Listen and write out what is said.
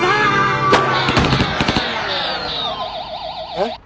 えっ？